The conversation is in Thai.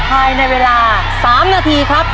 ภายในเวลา๓นาทีครับ